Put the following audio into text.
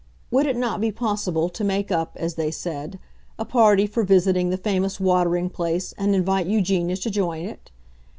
Would it not be possible to make up, as they said, a party for visiting the famous watering place and invite Eugenia to join it?